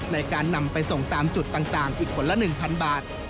ในการนำไปส่งตามจุดต่างอีกผลละ๑๐๐บาท